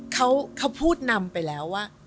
เขาพูดนำไปแล้วว่า